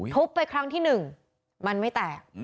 ทุบไปครั้งที่๑มันไม่แตก